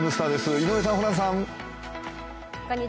井上さん、ホランさん。